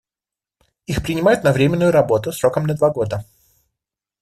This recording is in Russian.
Их принимают на временную работу сроком на два года.